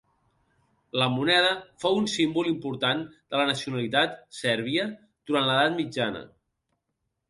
La moneda fou un símbol important de la nacionalitat sèrbia durant l'edat mitjana.